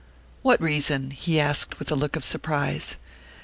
"What reason?" he asked with a look of surprise.